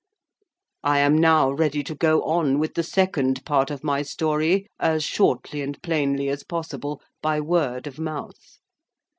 I am now ready to go on with the second part of my story as shortly and plainly as possible, by word of mouth.